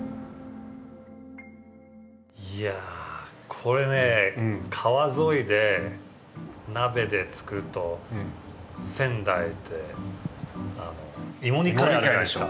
いやこれね川沿いで鍋で作ると仙台って芋煮会あるでしょ？